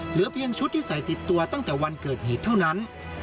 เหลือเพียงชุดที่ใส่ติดตัวตั้งแต่วันเกิดเหตุเท่านั้น